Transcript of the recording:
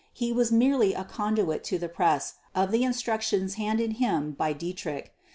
He was merely a conduit to the press of the instructions handed him by Dietrich.